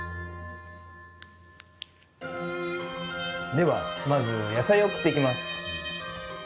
ではまず野菜を切っていきます。